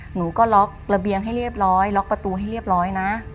หนูก็ล็อกระเบียงให้เรียบร้อยล็อกประตูให้เรียบร้อยนะ